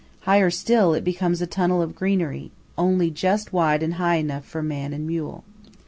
Higher still, it becomes a tunnel of greenery, only just wide and high enough for man and mule.